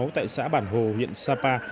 tại xã bản hồ huyện sapa